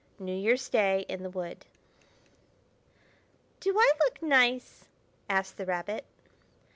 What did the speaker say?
NEW YEAR'S DAY IN THE WOOD "Do I look nice?" asked the Rabbit.